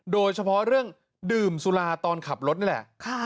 โดยเฉพาะเรื่องดื่มสุราตอนขับรถนี่แหละ